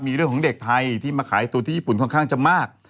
มีเรื่องของเด็กไทยที่มาขายตัวที่ญี่ปุ่นค่อนข้างจะมาก